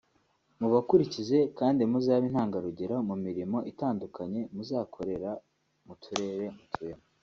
Mubakurikize kandi muzabe intangarugero mu mirimo itandukanye muzakorera mu turere mutuyemo